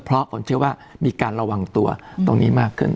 เพราะผมเชื่อว่ามีการระวังตัวตรงนี้มากขึ้น